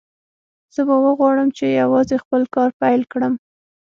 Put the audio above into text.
زه به وغواړم چې یوازې خپل کار پیل کړم